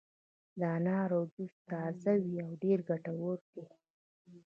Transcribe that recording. د انارو جوس تازه وي او ډېر ګټور دی.